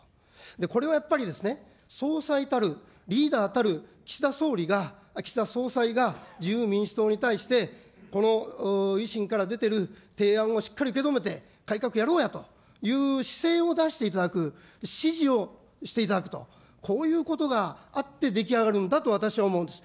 これはやっぱりですね、総裁たる、リーダーたる岸田総理が、岸田総裁が、自由民主党に対して、この維新から出てる提案をしっかり受け止めて、改革やろうやという姿勢を出していただく、指示をしていただくと、こういうことがあって、出来上がるんだと私は思うんです。